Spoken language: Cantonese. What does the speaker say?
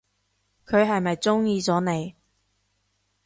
佢係咪中意咗你？